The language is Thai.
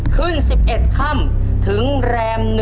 ขึ้น๑๑ค่ำถึงแรม๑